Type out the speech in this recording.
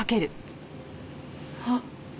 あっ。